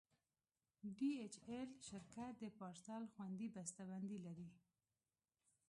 ډي ایچ ایل شرکت د پارسل خوندي بسته بندي لري.